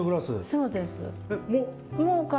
そうですか。